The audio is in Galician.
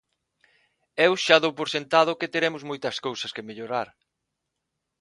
Eu xa dou por sentado que teremos moitas cousas que mellorar.